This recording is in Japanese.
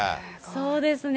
そうですね。